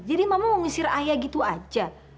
jadi mama mau ngusir ayah gitu aja